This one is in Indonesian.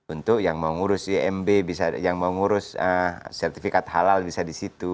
untuk yang mau ngurus imb yang mau ngurus sertifikat halal bisa di situ